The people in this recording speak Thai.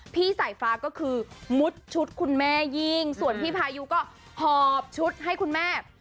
พี่สายฟ้าก็คือมุดชุดคุณแม่ยิ่งส่วนพี่พายุก็หอบชุดให้คุณแม่